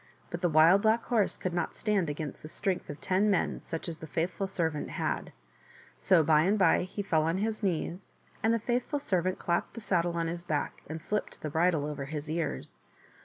But the Wild Black Horse could not stand against the strength of ten men, such as the faithful servant had, so by and by he fell on his knees, and the faithful servant clapped the saddle on his back and slipped the bridle over his ears.